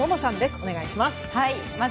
お願いします。